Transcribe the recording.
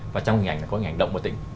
và trong hình ảnh là có hình ảnh động và tĩnh